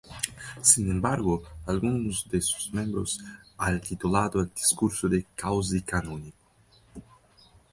Sin embargo, algunos de sus miembros han titulado el discurso de cuasi-canónico.